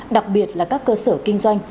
đặc biệt là các cơ sở kinh doanh